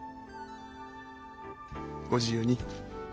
ご自由に。